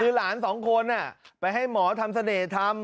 คือหลานสองคนไปให้หมอทำเสน่ห์ทำ